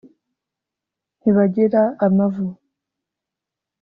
ntibagira amavu